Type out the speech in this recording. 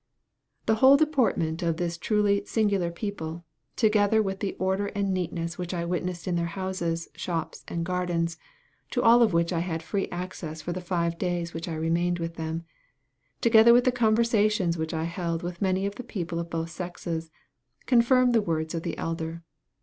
The whole deportment of this truly singular people, together with the order and neatness which I witnessed in their houses, shops, and gardens, to all of which I had free access for the five days which I remained with them, together with the conversations which I held with many of the people of both sexes, confirmed the words of the Elder.